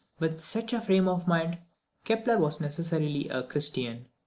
With such a frame of mind, Kepler was necessarily a Christian.